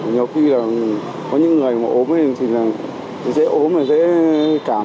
nhiều khi là có những người mà ốm thì dễ ốm dễ cảm